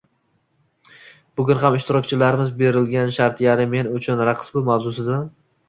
Bugun xam ishtirokchilarimiz berilgan shart yani Men uchun raqs bu.... mavzusida